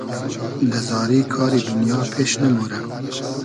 دۂ زاری کاری دونیا پېش نئمۉرۂ